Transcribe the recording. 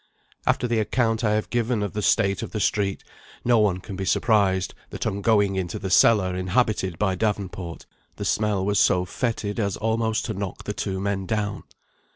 After the account I have given of the state of the street, no one can be surprised that on going into the cellar inhabited by Davenport, the smell was so foetid as almost to knock the two men down.